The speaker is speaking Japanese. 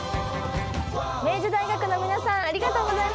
明治大学の皆さんありがとうございました！